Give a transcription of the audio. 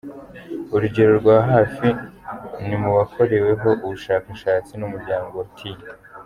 Urugero rwa hafi ni mu bakoreweho ubushakashatsi n’umuryango T.